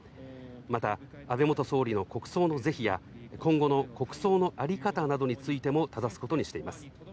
また、安倍元総理の国葬の是非や今後の国葬のあり方などについてもただすことにしています。